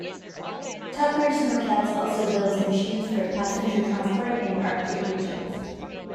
Tucker Sno-Cats also builds machines for passenger transport in Arctic regions.